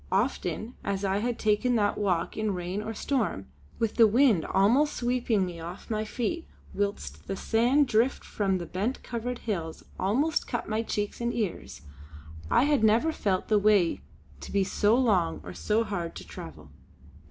Often as I had taken that walk in rain or storm, with the wind almost sweeping me off my feet whilst the sand drift from the bent covered hills almost cut my cheeks and ears, I had never felt the way to be so long or so hard to travel.